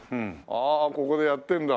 ああここでやってるんだ。